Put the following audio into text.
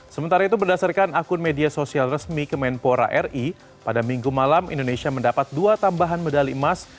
sementara itu berdasarkan akun media sosial resmi kemenpora ri pada minggu malam indonesia mendapat dua tambahan medali emas